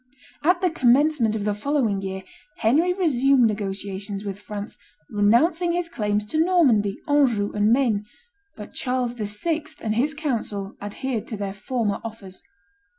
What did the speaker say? At the commencement of the following year, Henry resumed negotiations with France, renouncing his claims to Normandy, Anjou, and Maine; but Charles VI. and his council adhered to their former offers.